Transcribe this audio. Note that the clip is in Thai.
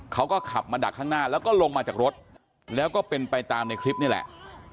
เขาก็ขับมาดักข้างหน้าแล้วก็ลงมาจากรถแล้วก็เป็นไปตามในคลิปนี่แหละ